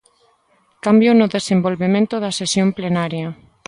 Cambio no desenvolvemento da sesión plenaria.